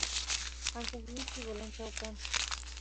ancha mishki bolanchau kan